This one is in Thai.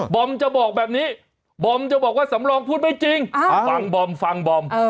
อมจะบอกแบบนี้บอมจะบอกว่าสำรองพูดไม่จริงฟังบอมฟังบอม